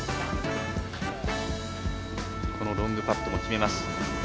このロングパットも決めました。